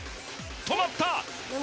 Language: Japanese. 止まった！